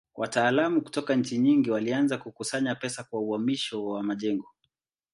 Wataalamu kutoka nchi nyingi walianza kukusanya pesa kwa uhamisho wa majengo.